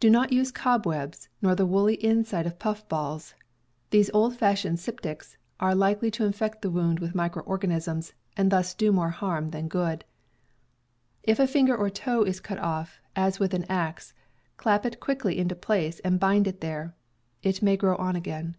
Do not use cobwebs, nor the woolly inside of puff balls — these old fashioned styptics are likely to infect a wound with micro organisms, and thus do more harm than good. If a finger or toe is cut off, as with an axe, clap it quickly into place and bind it there; it may grow on again.